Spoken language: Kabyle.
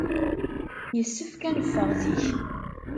Yessefk ad neffeɣ zik.